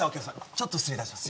ちょっと失礼します